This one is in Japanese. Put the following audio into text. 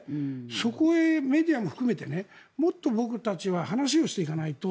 そこへメディアも含めてもっと僕たちは話をしていかないと。